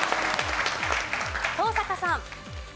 登坂さん。